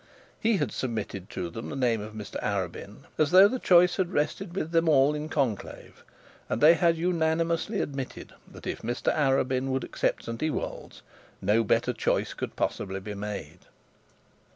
He had submitted to them the name of Mr Arabin, as though the choice had rested with them all in conclave, and they had unanimously admitted that, if Mr Arabin would accept St Ewold's no better choice could possibly be made.